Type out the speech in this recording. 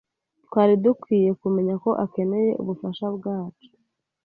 Twari dukwiye kumenya ko akeneye ubufasha bwacu.